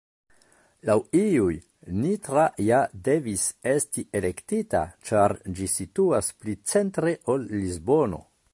Laŭ iuj, Nitra ja devis esti elektita ĉar ĝi situas pli 'centre' ol Lisbono.